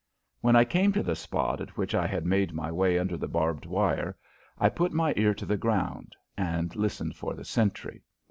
When I came to the spot at which I had made my way under the barbed wire I put my ear to the ground and listened for the sentry.